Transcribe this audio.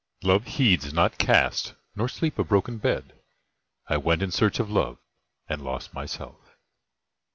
"Love heeds not caste nor sleep a broken bed. I went in search of love and lost myself."